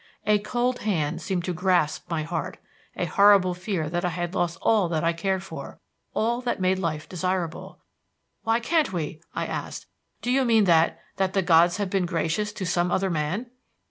A cold hand seemed to grasp my heart a horrible fear that I had lost all that I cared for all that made life desirable. "Why can't we?" I asked. "Do you mean that that the gods have been gracious to some other man?"